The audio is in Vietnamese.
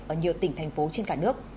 ở nhiều tỉnh thành phố trên cả nước